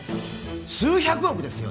数百億ですよ